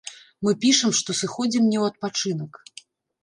Мы пішам, што сыходзім не ў адпачынак!